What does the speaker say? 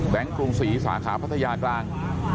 กรุงศรีสาขาพัทยากลาง